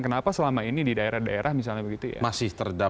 kenapa selama ini di daerah daerah misalnya begitu ya